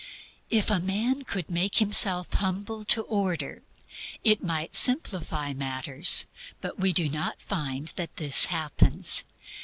If a man could make himself humble to order, it might simplify matters; but we do not find that this happens.